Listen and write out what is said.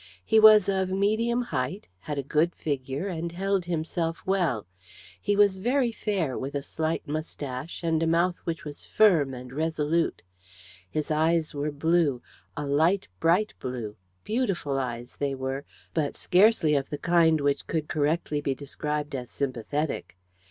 He was of medium height, had a good figure, and held himself well. He was very fair, with a slight moustache, and a mouth which was firm and resolute. His eyes were blue a light, bright blue beautiful eyes they were, but scarcely of the kind which could correctly be described as sympathetic.